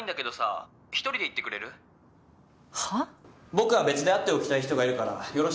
僕は別で会っておきたい人がいるからよろしく。